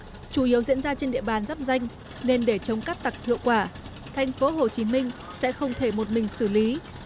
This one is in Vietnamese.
do nạn cát tặc chủ yếu diễn ra trên địa bàn dắp danh nên để chống cát tặc hiệu quả thành phố hồ chí minh sẽ không thể một mình xử lý